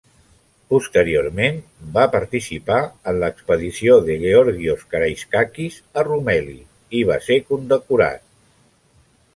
Posteriorment, va participar en l'expedició de Georgios Karaiskakis a Roumeli, i va ser condecorat.